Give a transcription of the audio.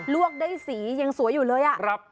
วกได้สียังสวยอยู่เลย